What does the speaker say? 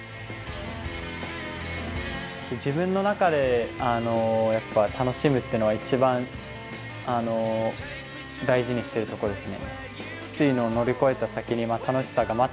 自分の中で、やっぱ楽しむってのが一番大事にしていることですね。